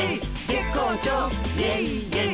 「月光町イエイイエイ」